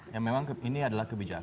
ya memang ini adalah kebijakan